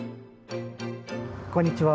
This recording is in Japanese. こんにちは。